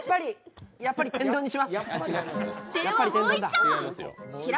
やっぱり天丼にします。